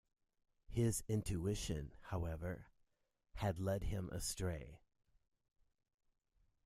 His intuition, however, had led him astray.